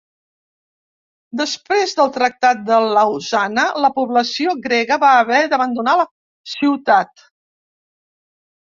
Després del tractat de Lausana la població grega va haver d'abandonar la ciutat.